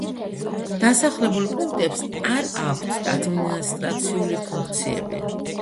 დასახლებულ პუნქტებს არ აქვთ ადმინისტრაციული ფუნქციები.